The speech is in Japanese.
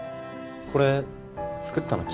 これ作ったの君？